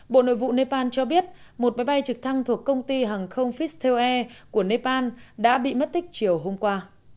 bộ nội vụ nepal cho biết một máy bay trực thăng thuộc công ty hàng không fiste air của nepal đã bị mất tích chiều hôm qua